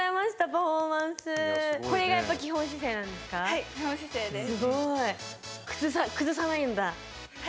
はい、基本姿勢です。